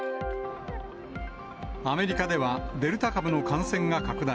アメリカではデルタ株の感染が拡大。